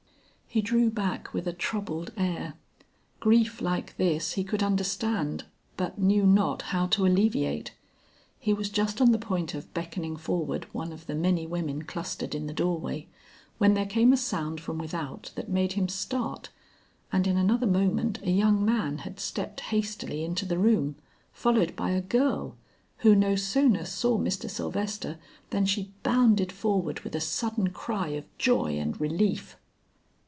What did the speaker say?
He drew back with a troubled air. Grief like this he could understand but knew not how to alleviate. He was just on the point of beckoning forward one of the many women clustered in the door way, when there came a sound from without that made him start, and in another moment a young man had stepped hastily into the room, followed by a girl, who no sooner saw Mr. Sylvester, than she bounded forward with a sudden cry of joy and relief.